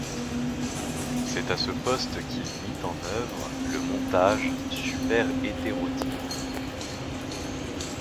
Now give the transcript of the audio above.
C'est à ce poste qu'il mit en œuvre le montage superhétérodyne.